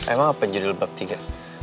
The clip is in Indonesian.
emang apa judul bab tiga